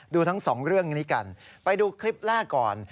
ดูทั้งสองเรื่องนี้กันไปดูคลิปแรกก่อน